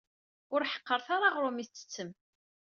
Ur ḥeqṛet ara aɣṛum i tettem